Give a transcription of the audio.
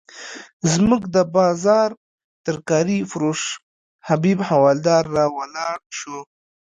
زموږ د بازار ترکاري فروش حبیب حوالدار راولاړ شو.